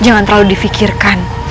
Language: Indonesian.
jangan terlalu difikirkan